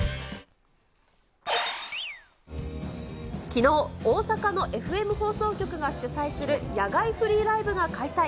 きのう、大阪のＦＭ放送局が主催する野外フリーライブが開催。